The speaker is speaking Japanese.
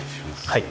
はい。